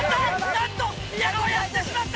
なんと宮川やってしまった！